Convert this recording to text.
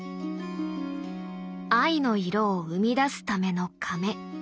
藍の色を生み出すためのかめ。